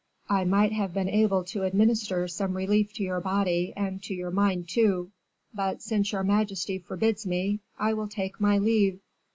I might have been able to administer some relief to your body and to your mind, too; but since your majesty forbids me, I will take my leave.